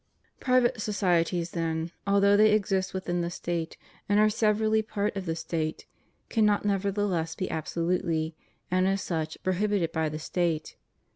^ Private societies, then, although they exist within the State, and are severally part of the State, cannot nevertheless be absolutely, and as such, pro hibited by the State.